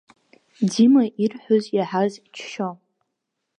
Дима ирҳәоз иаҳаз џьшьо.